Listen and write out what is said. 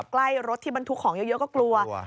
ขับใกล้รถที่มันถูกของเยอะก็กลัว